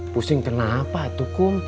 pusing kenapa tukum